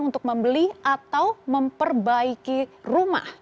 untuk membeli atau memperbaiki rumah